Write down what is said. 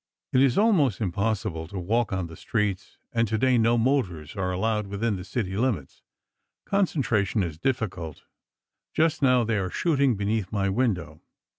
It is almost impossible to walk on the streets and today no motors are allowed within the city limits. Concentration is difficult. Just now, they are shooting beneath my window.